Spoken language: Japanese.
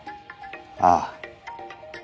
ああ。